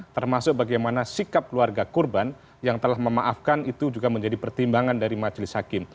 termasuk bagaimana sikap keluarga korban yang telah memaafkan itu juga menjadi pertimbangan dari majelis hakim